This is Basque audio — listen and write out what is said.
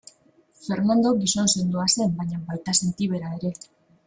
Fernando gizon sendoa zen baina baita sentibera ere.